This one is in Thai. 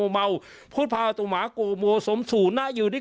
มีเหรอเนี่ย